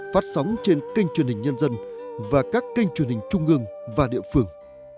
phát sóng trên kênh truyền hình nhân dân và các kênh truyền hình trung ương và địa phương